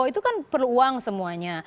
itu kan perlu uang semuanya